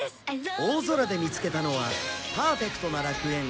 大空で見つけたのはパーフェクトな楽園パラダピア